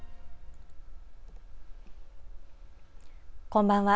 こんばんは。